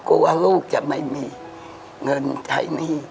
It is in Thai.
กลัวว่าลูกจะไม่มีเงินใช้หนี้